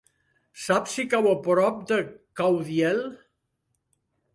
Saps si cau a prop de Caudiel?